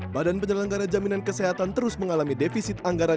badan penyelenggara jaminan kesehatan terus mengalami defisit anggaran